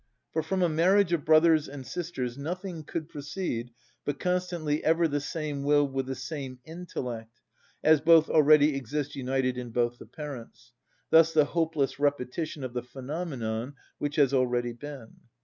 For from a marriage of brothers and sisters nothing could proceed but constantly ever the same will with the same intellect, as both already exist united in both the parents, thus the hopeless repetition of the phenomenon which has already been.